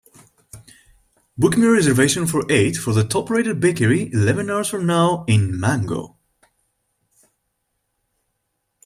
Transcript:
Book me a reservation for eight for the top-rated bakery eleven hours from now in Mango